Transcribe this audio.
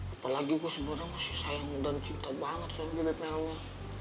apalagi gue sebenernya masih sayang dan cinta banget sama bebek melman